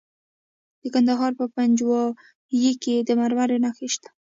د کندهار په پنجوايي کې د مرمرو نښې شته.